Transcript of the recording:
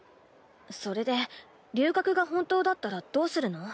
それで留学が本当だったらどうするの？